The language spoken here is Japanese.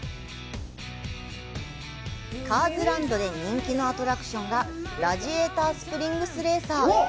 カーズ・ランドで人気のアトラクションが「ラジエーター・スプリングス・レーサー」。